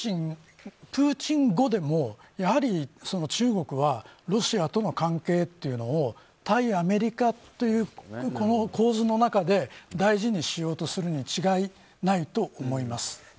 プーチン後でもやはり中国はロシアとの関係というのを対アメリカというこの構図の中で大事にしようとするに違いないと思います。